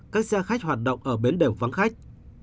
các xe khách hoạt động ở bến đều vắng khách